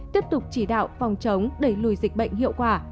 tiếp tục chỉ đạo phòng chống đẩy lùi dịch bệnh hiệu quả